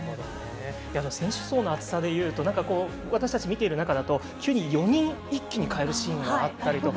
選手層の厚さでいうと私たちが見ている中では急に４人一気に代えるシーンがあったりとか。